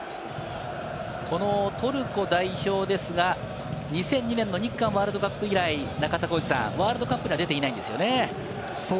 トルコ代表ですが、２００２年の日韓ワールドカップ以来、中田さん、ワールドカップには出ていないんですよね。